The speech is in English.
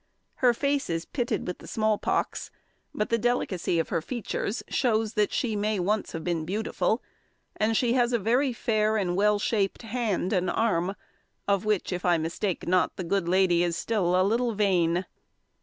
Her face is pitted with the small pox, but the delicacy of her features shows that she may once have been beautiful; and she has a very fair and well shaped hand and arm, of which, if I mistake not, the good lady is still a little vain.